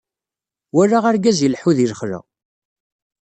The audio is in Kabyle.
Walaɣ argaz ileḥḥu di lexla.